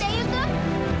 udah yuk tuh